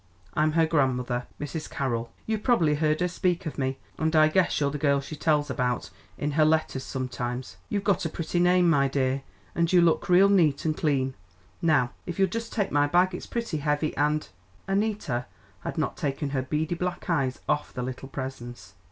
I'm her grandmother, Mrs. Carroll; you've probably heard her speak of me, and I guess you're the girl she tells about in her letters sometimes. You've got a pretty name, my dear, and you look real neat and clean. Now if you'll just take my bag, it's pretty heavy, and " Annita had not taken her beady black eyes off the little presence.